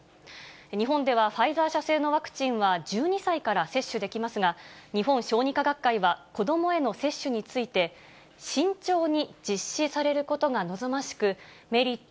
日本では、ファイザー社製のワクチンは１２歳から接種できますが、日本小児科学会は、子どもへの接種について、慎重に実施されることが望ましく、メリット、